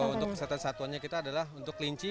untuk kesehatan satuannya kita adalah untuk kelinci